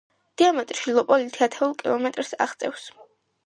დიამეტრში ლოპოლითი ათეულ კილომეტრს აღწევს.